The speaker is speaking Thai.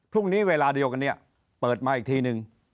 พรุ่งนี้เวลาเดียวกันนี้เปิดไหมทีนึง